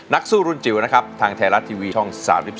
นักสู้รุ่นจิ๋วนะครับทางไทยรัฐทีวีช่อง๓๒